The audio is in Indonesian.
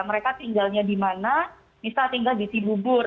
mereka tinggalnya di mana bisa tinggal di cibubur